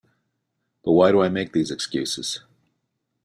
But why do I make these excuses?